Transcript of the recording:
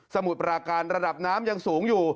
มุดปราการระดับน้ำยังสูงอยู่